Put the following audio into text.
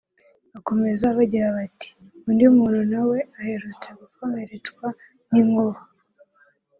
Bakomeza bagira bati « Undi muntu na we aherutse gukomeretswa n’inkuba